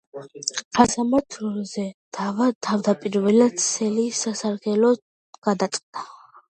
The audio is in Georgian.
სასამართლოზე დავა თავდაპირველად სელის სასარგებლოდ გადაწყდა.